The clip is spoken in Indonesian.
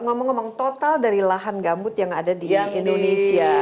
ngomong ngomong total dari lahan gambut yang ada di indonesia